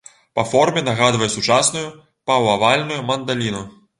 Па форме нагадвае сучасную паўавальную мандаліну.